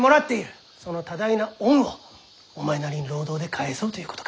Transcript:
その多大な恩をお前なりに労働で返そうということか？